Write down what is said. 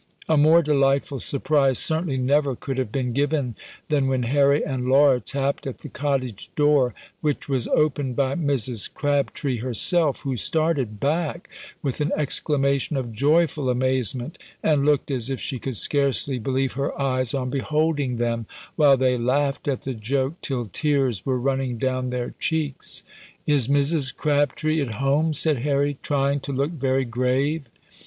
A more delightful surprise certainly never could have been given than when Harry and Laura tapped at the cottage door, which was opened by Mrs. Crabtree herself, who started back with an exclamation of joyful amazement, and looked as if she could scarcely believe her eyes on beholding them, while they laughed at the joke till tears were running down their cheeks. "Is Mrs. Crabtree at home?" said Harry, trying to look very grave.